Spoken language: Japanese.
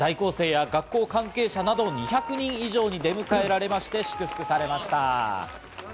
在校生や学校関係者など２００人以上に出迎えられまして祝福されました。